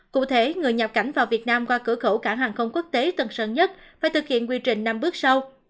cụ thể người nhập cảnh vào việt nam qua cửa khẩu cảng hàng không quốc tế tân sơn nhất phải thực hiện quy trình năm bước sau